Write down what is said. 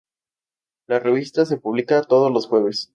La revista se publica todos los jueves.